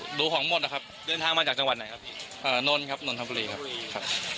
หนูของหมดนะครับเดินทางมาจากจังหวัดไหนครับพี่นนครับนนทบุรีครับครับ